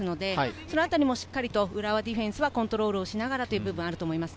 そのあたり、しっかり浦和ディフェンスはコントロールしながらという部分があると思います。